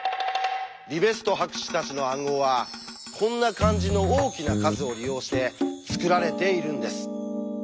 リベスト博士たちの暗号はこんな感じの大きな数を利用して作られているんです。